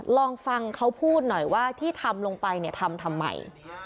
ลองฟังเขาพูดหน่อยว่าที่ทำลงไปเนี่ยทำทำไม